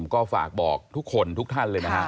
ก็ฝากบอกทุกคนทุกท่านเลยนะฮะ